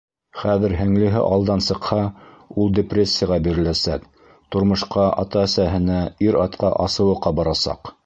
Хәҙер һеңлеһе алдан сыҡһа, ул депрессияға биреләсәк, тормошҡа, ата-әсәһенә, ир-атҡа асыуы ҡабарасаҡ.